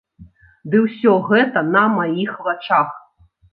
Ды ўсё гэта на маіх вачах.